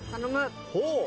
ほう。